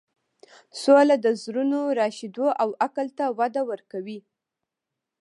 سوله د زړونو راشدو او عقل ته وده ورکوي.